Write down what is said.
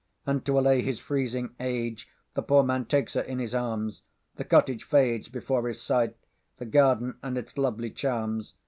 And to allay his freezing age, The poor man takes her in his arms; The cottage fades before his sight, The garden and its lovely charms.